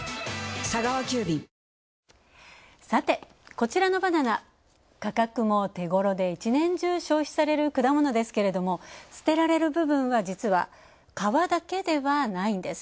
こちらのバナナ、価格も手ごろで、一年中消費される果物ですけれども、捨てられる部分は実は皮だけではないんです。